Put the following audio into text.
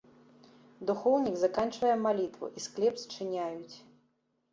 Духоўнік заканчвае малітву, і склеп зачыняюць.